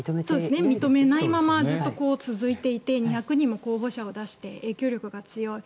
認めないままずっと続いていて２００人も候補者を出して影響力が強い。